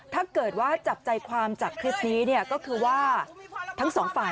ถ้าเกิดว่าจับใจความจับคลิปนี้เนี่ย